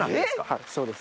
はいそうです。